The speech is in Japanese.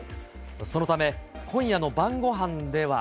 そのため、今夜の晩ごはんでは。